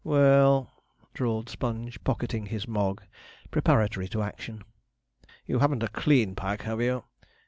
'Well,' drawled Sponge, pocketing his Mogg, preparatory to action. 'You haven't a clean pack, have you?'